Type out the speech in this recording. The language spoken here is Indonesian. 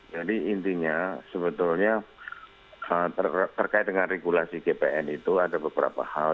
jadi intinya sebetulnya terkait dengan regulasi gpn itu ada beberapa hal